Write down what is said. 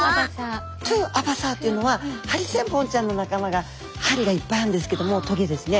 トゥアバサーっていうのはハリセンボンちゃんの仲間が針がいっぱいあるんですけどもトゲですね。